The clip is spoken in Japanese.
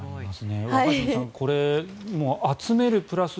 若新さん、集めるプラス